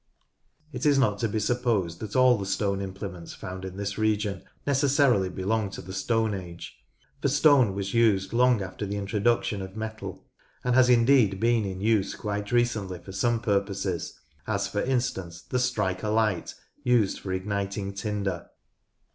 It is not to be supposed that all the stone implements found in this region necessarily belong to the Stone Age, for stone was used long after the introduction of metal, and has indeed been in use quite recently for some purposes, as for instance the "strike a light" used for igniting tinder.